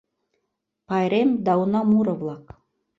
ПАЙРЕМ ДА УНА МУРО-ВЛАК.